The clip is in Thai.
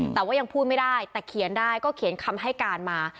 แต่ว่ายังพูดไม่ได้แต่เขียนได้ก็เขียนคำให้การมา